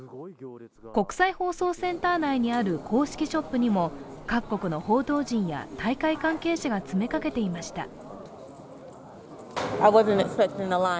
国際放送センター内にある公式ショップにも各国の報道陣や大会関係者が詰めかけていました。